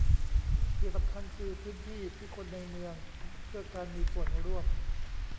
ที่สำคัญคือพื้นที่ที่คนในเมืองเพื่อการมีส่วนร่วม